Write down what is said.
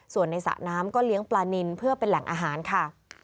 ส่วนในสระน้ำก็เลี้ยงปลานินเพื่อเป็นแหล่งอาหารค่ะ